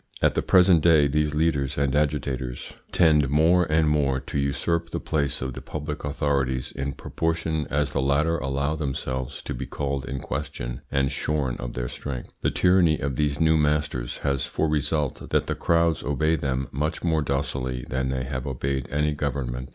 At the present day these leaders and agitators tend more and more to usurp the place of the public authorities in proportion as the latter allow themselves to be called in question and shorn of their strength. The tyranny of these new masters has for result that the crowds obey them much more docilely than they have obeyed any government.